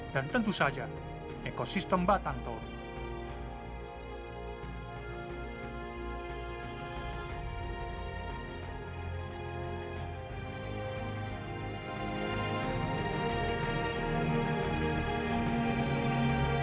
dan tentu saja ekosistem batang toru